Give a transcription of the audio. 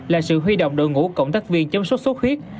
là sự huy động đội ngũ cộng tác viên chống sốt xuất huyết